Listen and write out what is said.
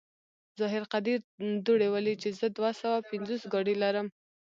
ظاهر قدير دوړې ولي چې زه دوه سوه پينځوس ګاډي لرم.